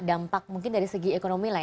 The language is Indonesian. dampak mungkin dari segi ekonomi lah ya